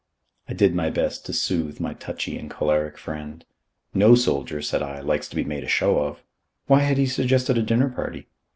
I did my best to soothe my touchy and choleric friend. No soldier, said I, likes to be made a show of. Why had he suggested a dinner party?